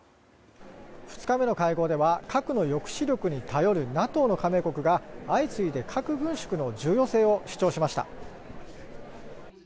２日目の会合では核の抑止力に頼るＮＡＴＯの加盟国が相次いで核軍縮の重要性を主張しました。